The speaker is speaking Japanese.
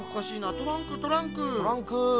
トランクトランク。